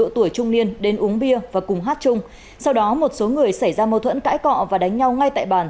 tên uống bia và cùng hát chung sau đó một số người xảy ra mâu thuẫn cãi cọ và đánh nhau ngay tại bàn